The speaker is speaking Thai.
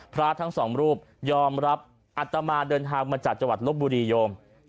พระทั้งสองรูปยอมรับอัตมาเดินทางมาจากจังหวัดลบบุรีโยม